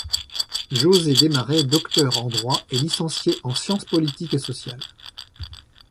José Desmarets est docteur en droit et licencié en sciences politiques et sociales.